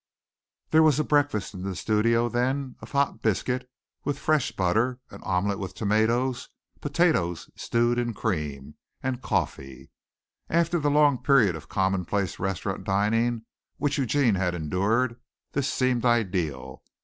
There was a breakfast in the studio then of hot biscuit with fresh butter, an omelette with tomatoes, potatoes stewed in cream, and coffee. After the long period of commonplace restaurant dining which Eugene had endured, this seemed ideal.